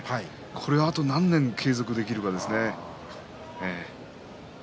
これをあと何年継続できるかです。